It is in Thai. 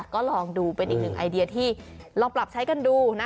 ก็ลองดูเป็นอีกหนึ่งไอเดียที่ลองปรับใช้กันดูนะ